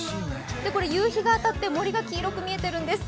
これ、夕日が当たって森が黄色く見えているんです。